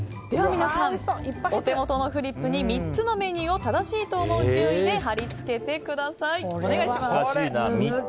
皆さん、お手元のフリップに３つのメニューを正しいと思う順番に貼り付けてください。